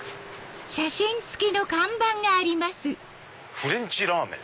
「フレンチラーメン」。